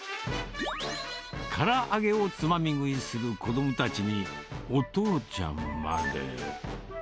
から揚げをつまみ食いする子どもたちに、お父ちゃんまで。